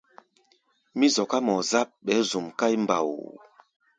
Mí zɔká mɔɔ-záp, ɓɛɛ́ zuʼm káí mbao.